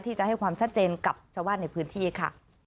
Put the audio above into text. ที่จะให้ความชัดเจนกับชาวบ้านในพื้นที่ค่ะ